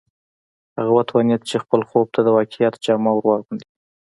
هغه وتوانېد چې خپل خوب ته د واقعیت جامه ور واغوندي